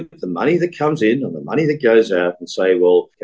jadi anda melihat uang yang datang dan uang yang keluar dan berkata